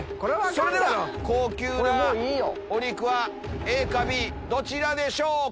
それでは高級なお肉はＡかＢどちらでしょうか？